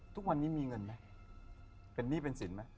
ทุกวันนี้มีเงินไหมเป็นหนี้เป็นสินไหม